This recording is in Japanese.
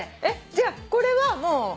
えっじゃあこれはもう。